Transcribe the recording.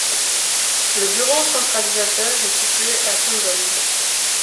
Le bureau centralisateur est situé à Condom.